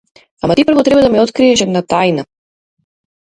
Ама ти прво треба да ми откриеш една тајна!